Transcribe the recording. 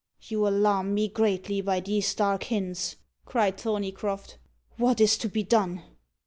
"You alarm me greatly by these dark hints," cried Thorneycroft. "What is to be done?"